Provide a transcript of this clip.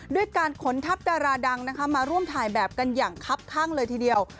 ด้วยการขนทัพดาราดังนะคะมาร่วมถ่ายแบบกันอย่างคับข้างเลยทีเดียว